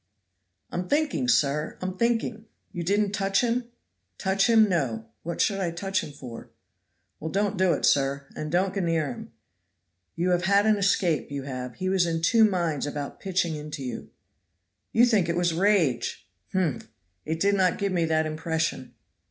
"I'm thinking, sir! I'm thinking. You didn't touch him?" "Touch him, no; what should I touch him for?" "Well, don't do it, sir. And don't go near him. You have had an escape, you have. He was in two minds about pitching into you." "You think it was rage! Humph! it did not give me that impression."